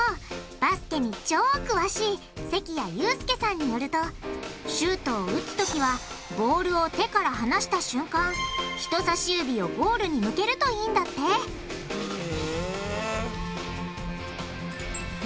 バスケに超詳しい関谷悠介さんによるとシュートを打つときはボールを手から離した瞬間人さし指をゴールに向けるといいんだってへぇ。